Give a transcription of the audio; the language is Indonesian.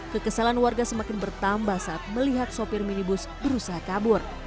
kekesalan warga semakin bertambah saat melihat sopir minibus berusaha kabur